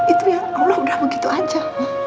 itu ya allah udah begitu aja